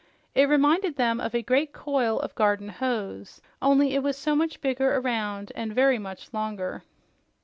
It reminded them of a great coil of garden hose, only it was so much bigger around and very much longer.